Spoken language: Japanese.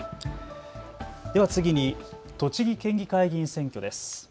では次に栃木県議会議員選挙です。